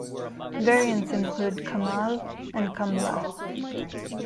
Variants include Kamal and Kamla.